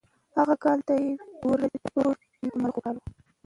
هغه کال ته یې یوړ چې د ملخو کال و.